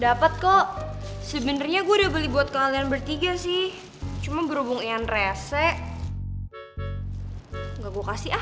dapet kok sebenernya gue udah beli buat kalian bertiga sih cuma berhubung yan rese nggak gue kasih ah